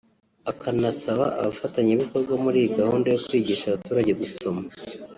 akanasaba abafatanyabikorwa muri iyi gahunda yo kwigisha abaturage gusoma